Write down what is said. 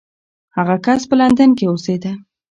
هغه کس په لندن کې اوسېده.